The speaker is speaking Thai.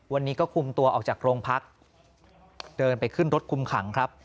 วันนี้ก็คุมตัวออกจากโรงพักเดินไปขึ้นรถคุมขังครับ